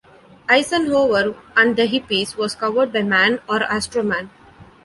"Eisenhower and the Hippies" was covered by Man or Astro-man?